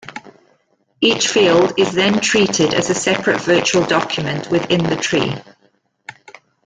Each field is then treated as a separate virtual document within the tree.